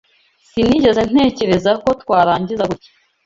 Sinigeze ntekereza ko twarangiza gutya.